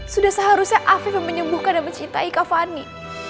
sudah seharusnya afif yang menyembuhkan dan mencintai kak fani